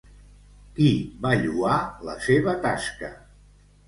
Qui va lloar la seva tasca?